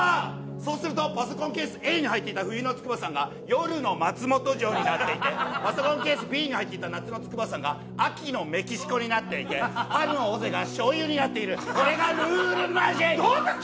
そうするとパソコンケースＡに入っていた冬の筑波山が夜の松本城になっていてパソコンケースＢに入っていた夏の筑波山が秋のメキシコになっていて、春の尾瀬がしょうゆになっているこれがルールマジック！